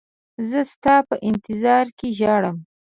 زه ستا په انتظار کې ژاړم.